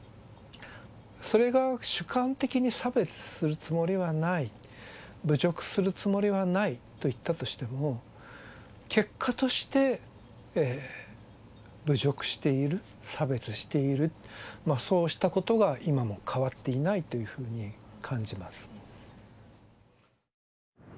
それが主観的に差別するつもりはない侮辱するつもりはないと言ったとしても結果として侮辱している差別しているまあそうしたことが今も変わっていないというふうに感じます